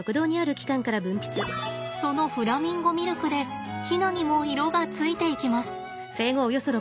そのフラミンゴミルクでヒナにも色がついていきます。